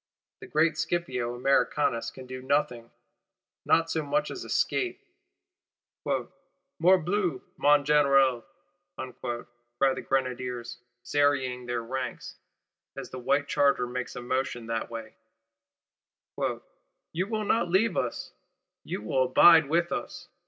The great Scipio Americanus can do nothing; not so much as escape. 'Morbleu, mon Général,' cry the Grenadiers serrying their ranks as the white charger makes a motion that way, 'You will not leave us, you will abide with us!